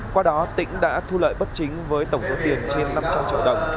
qua đó tỉnh đã thu lợi bất chính với tổng số tiền trên năm trăm linh triệu đồng